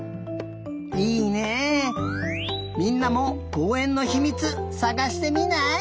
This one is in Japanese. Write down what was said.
みんなもこうえんのひみつさがしてみない？